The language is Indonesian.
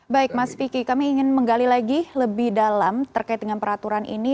baik mas vicky kami ingin menggali lagi lebih dalam terkait dengan peraturan ini